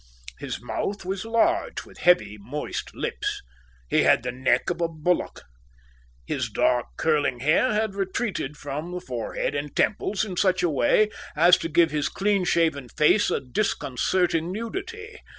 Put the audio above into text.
His mouth was large, with heavy moist lips. He had the neck of a bullock. His dark, curling hair had retreated from the forehead and temples in such a way as to give his clean shaven face a disconcerting nudity.